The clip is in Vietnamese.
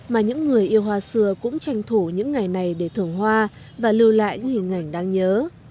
mà những người yêu hoa xưa cũng tranh thủ những ngày này để thưởng hoa và lưu lại những hình ảnh đáng nhớ